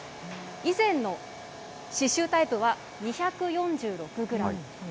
以前の刺しゅうタイプは２４６グラム。